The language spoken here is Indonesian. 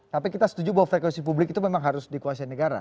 tapi kita setuju bahwa frekuensi publik itu memang harus dikuasai negara